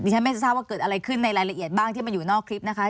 ฉันไม่ทราบว่าเกิดอะไรขึ้นในรายละเอียดบ้างที่มันอยู่นอกคลิปนะคะ